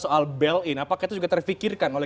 soal bail in apakah itu juga terfikirkan oleh